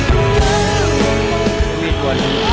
ก็แกล้วออกไป